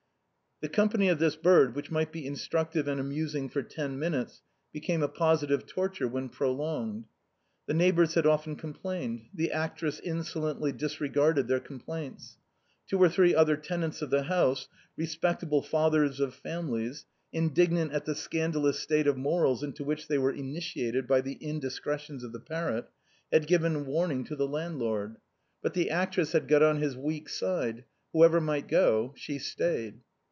The company of this bird, which might be instructive and amusing for ten minutes, became a posi tive torture when prolonged. The neighbors had often complained ; the actress insolently disregarded their com plaints. Two or three other tenants of the house, res pectable fathers of families, indignant at the scandalous state of morals into which they were initiated by the indis cretions of the parrot, had given warning to the landlord. But the actress had got on his weak side; whoever might go, she stayed.